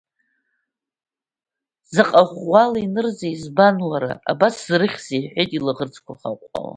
Заҟа ӷәӷәала инырзеи, избан уара, абас зрыхьзеи, – иҳәеит, илаӷырӡқәа хаҟәҟәала.